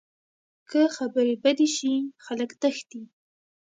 که خبرې بدې شي، خلک تښتي